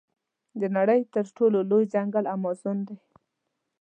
د نړۍ تر ټولو لوی ځنګل امازون دی.